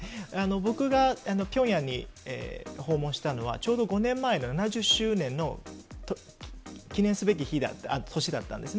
僕がピョンヤンに訪問したのは、ちょうど５年前の７０周年の記念すべき年だったんですね。